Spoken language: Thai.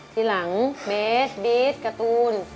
ทีหลังเบสบีทการ์ตูน